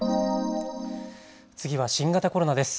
次は新型コロナです。